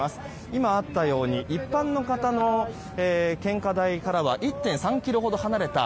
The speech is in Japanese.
今あったように一般の方の献花台からは１．３ｋｍほど離れた